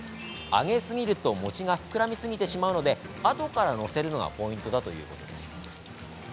揚げすぎると餅が膨らみすぎてしまうのであとから載せるのがポイントです。